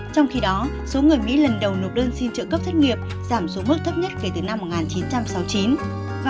trong khi đó số người mỹ lần đầu nộp đơn xin trợ cấp thất nghiệp giảm xuống mức thấp nhất kể từ năm một nghìn chín trăm sáu mươi chín